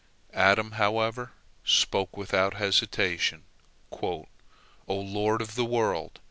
Adam, however, spoke without hesitation: "O Lord of the world!